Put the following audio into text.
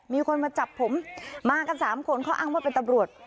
มีคนมาจับผมมากัน๓คนเขาอ้างว่าเป็นตำรวจ